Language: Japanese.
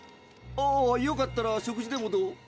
ああよかったら食事でもどう？